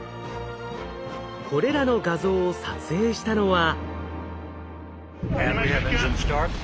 これらの画像を撮影したのは。